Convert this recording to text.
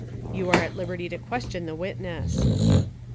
You are at liberty to question the wit ness."